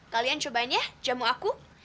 kalian cobain ya jamu aku